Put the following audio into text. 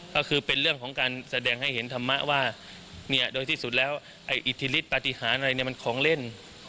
ก็คือเป็นเรื่องของการแสดงให้เห็นธรรมะว่าเนี่ยโดยที่สุดแล้วไอ้อิทธิฤทธปฏิหารอะไรเนี่ยมันของเล่น